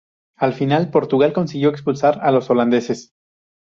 Al final, Portugal consiguió expulsar a los holandeses.